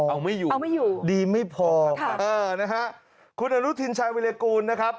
เอาไม่อยู่ค่ะเออนะครับคุณอรุทินชายวิลกูลนะครับ